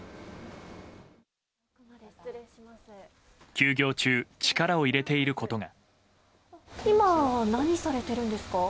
休業中、力を入れていることが。